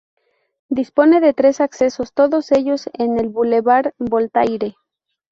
Dispone de tres accesos, todos ellos en el bulevar Voltaire.